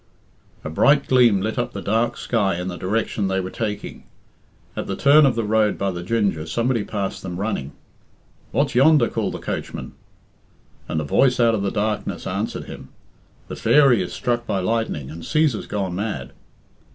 A bright gleam lit up the dark sky in the direction they were taking. At the turn of the road by the "Ginger," somebody passed them running. "What's yonder?" called the coachman. And a voice out of the darkness answered him, "The 'Fairy' is struck by lightning, and Cæsar's gone mad."